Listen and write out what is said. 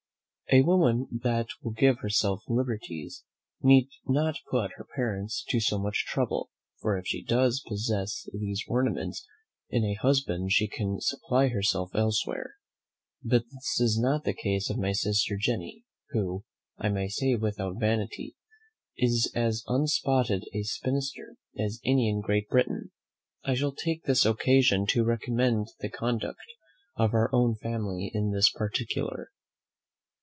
A woman that will give herself liberties need not put her parents to so much trouble; for if she does not possess these ornaments in a husband she can supply herself elsewhere. But this is not the case of my sister Jenny, who, I may say without vanity, is as unspotted a spinster as any in Great Britain. I shall take this occasion to recommend the conduct of our own family in this particular.